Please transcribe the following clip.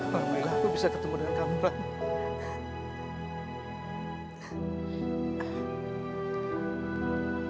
makanya aku bisa ketemu dengan kamu ran